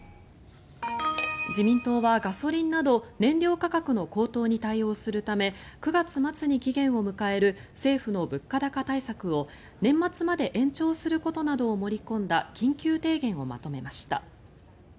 自民党はガソリンなど燃料価格の高騰に対応するため９月末に期限を迎える政府の物価高対策を年末まで延長することなどを盛り込んだ緊急提言をまとめました。